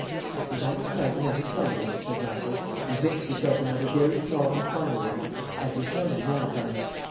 "If you like to light another Sullivan," said Raffles, "and mix yourself another very small and final one, I can tell you now, Bunny."